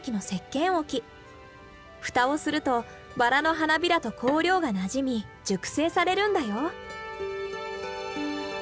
蓋をするとバラの花びらと香料がなじみ熟成されるんだよ。